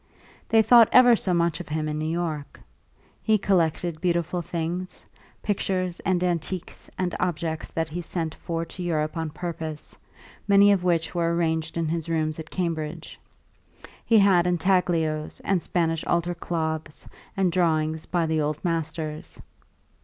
They thought ever so much of him in New York. He collected beautiful things, pictures and antiques and objects that he sent for to Europe on purpose, many of which were arranged in his rooms at Cambridge. He had intaglios and Spanish altar cloths and drawings by the old masters.